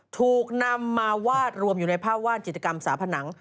ถูกนำมาวาดรวมอยู่ในภาพว่านจิตกรรมฝาผนัง